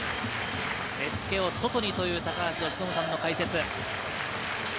目付けを外にという高橋由伸さんの解説。